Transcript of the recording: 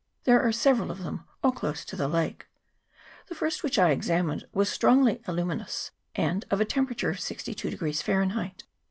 There are several of them, all close to the lake. The first which I examined was strongly aluminous, and of a temperature of 62 Fahrenheit.